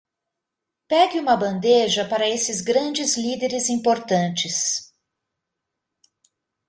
Pegue uma bandeja para esses grandes líderes importantes.